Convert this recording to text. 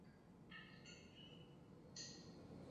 რკინის მიღების პროცესი